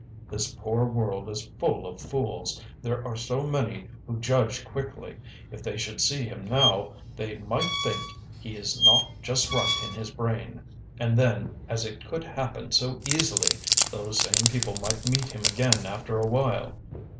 This poor world is full of fools; there are so many who judge quickly. If they should see him now, they might think he is not just right in his brain; and then, as it could happen so easily, those same people might meet him again after a while.